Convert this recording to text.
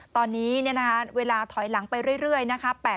ตอนนี้เวลาถอยหลังไปเรื่อยนะคะ